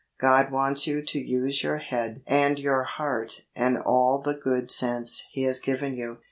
God wants you to use your head and your heart and all the good sense He has given you.